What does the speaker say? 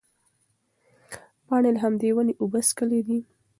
پاڼې له همدې ونې اوبه څښلې دي.